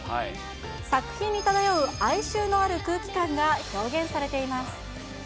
作品に漂う哀愁のある空気感が表現されています。